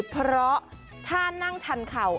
เพราะถ้านั่งชันเข่า